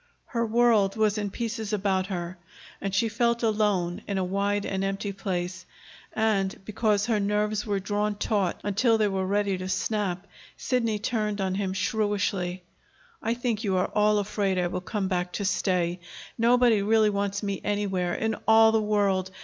Her world was in pieces about her, and she felt alone in a wide and empty place. And, because her nerves were drawn taut until they were ready to snap, Sidney turned on him shrewishly. "I think you are all afraid I will come back to stay. Nobody really wants me anywhere in all the world!